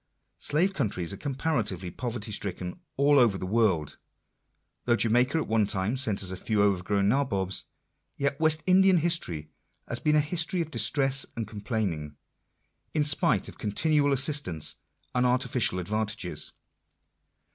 Slave countries are comparatively poverty stricken all over the world. Though Jamaica at one time sent us a few overgrown nabobs, yet West Indian history has been a history of distress and complainings, in spite of continual assistance and artificial advantages.